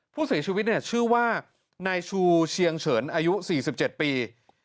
ผู้เสียชีวิตชื่อว่านายชูเชียงเฉินอายุ๔๗ปี